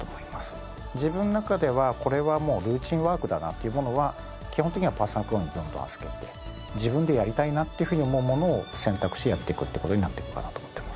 自分の中ではこれはもうルーチンワークだなっていうものは基本的にはパーソナルクローンにどんどん預けて自分でやりたいなというふうに思うものを選択してやっていくっていう事になっていくかなと思っています。